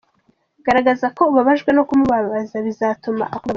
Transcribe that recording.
Garagaza ko ubabajwe no kumubabaza bizatuma akubabarira.